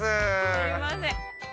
すいません